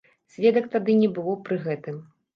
Сведак тады не было пры гэтым.